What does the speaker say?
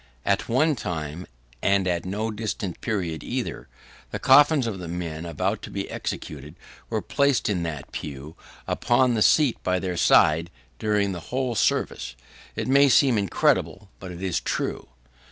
At one time and at no distant period either the coffins of the men about to be executed, were placed in that pew, upon the seat by their side, during the whole service. It may seem incredible, but it is true.